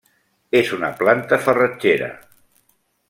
És una planta farratgera.